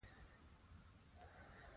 د خپل قام لپاره خدمت وکړو.